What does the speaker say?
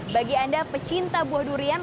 bagi anda pecinta buah durian